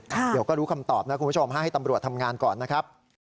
เดี๋ยวก็รู้คำตอบนะคุณผู้ชมให้ตำรวจทำงานก่อนนะครับ